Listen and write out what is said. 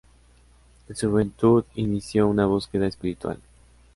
En su juventud inició una búsqueda espiritual.